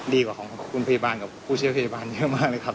ดีกว่าของคุณพยาบาลกับผู้เชี่ยวพยาบาลเยอะมากเลยครับ